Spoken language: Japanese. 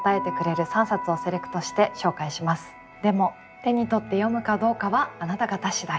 でも手に取って読むかどうかはあなた方次第。